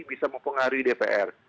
bisa mempengaruhi dpr